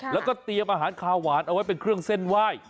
แล้วก็เตรียมอาหารคาหวานเอาไว้เป็นเครื่องเส้นไหว้